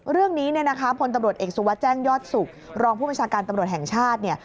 เรื่องนี้ผลตำรวจเอกสุวัติแจ้งยอดสุขรองผู้บัญชาการตำรวจแห่งชาติ